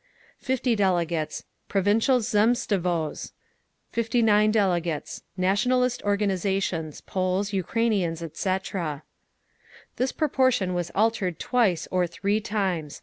50 delegates Provincial Zemstvos 59 delegates Nationalist Organisations—Poles, Ukraineans, etc. This proportion was altered twice or three times.